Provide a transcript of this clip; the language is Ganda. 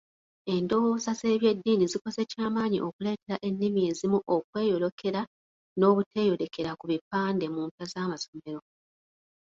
Endowooza z'ebyeddiini zikoze ky'amaanyi okuleetera ennimi ezimu okweyolekera n'obuteeyolekera ku bipande mu mpya z'amasomero.